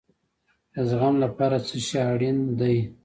د زغم لپاره څه شی اړین دی؟